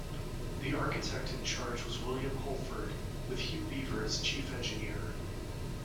The architect in charge was William Holford with Hugh Beaver as chief engineer.